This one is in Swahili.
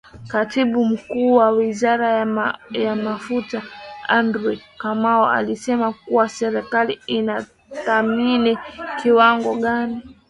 Katibu Mkuu wa Wizara ya Mafuta Andrew Kamau alisema kuwa serikali inatathmini kiwango gani kinadaiwa na mchakato huo unaweza kuchukua zaidi ya mwezi mmoja